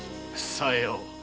さよう。